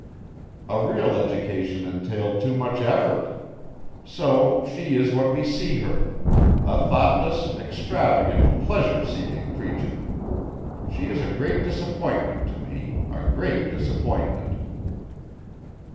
A real education entailed too much effort. So she is what we see her, a thoughtless, extravagant, pleasure seeking creature. She is a great disappointment to me, a great disappointment!"